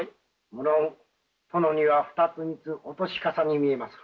無論殿には２つ３つお年かさに見えまする。